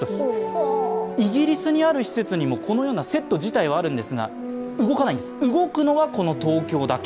イギリスにある施設にも、このようなセット自体はあるんですが動かないんです、動くのはこの東京だけ。